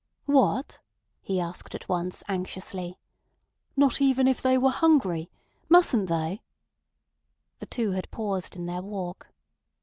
"What?" he asked at once anxiously. "Not even if they were hungry? Mustn't they?" The two had paused in their walk.